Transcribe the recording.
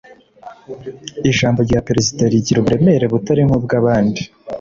ijambo rya perezida rigira uburemere butari nk’ubw’abandi